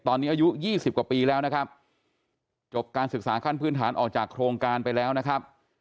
ตอนนี้อายุ๒๐กว่าปีแล้วนะครับจบการศึกษาขั้นพื้นฐานออกจากโครงการไปแล้วนะครับ